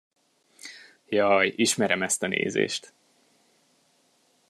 Jaj, ismerem ezt a nézést.